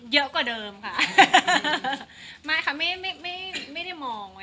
เยอะกว่าเดิมค่ะ